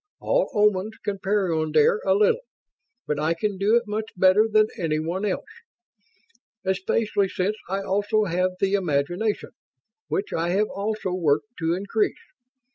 All Omans can peyondire a little, but I can do it much better than anyone else. Especially since I also have the imagination, which I have also worked to increase.